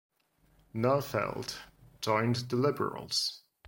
Neufeld joined the Liberals.